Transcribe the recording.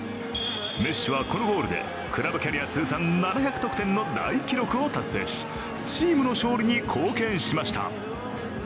メッシはこのゴールでクラブキャリア通算７００得点の大記録を達成し、チームの勝利に貢献しました。